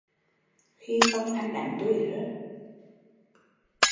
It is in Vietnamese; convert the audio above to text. Đương không anh đánh tui